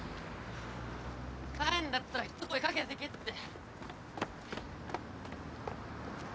帰んだったら一声かけてけって。